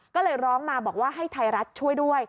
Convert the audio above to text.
ก็เลยร้องมาบอกว่าให้ไทยรัฐช่วยด้วย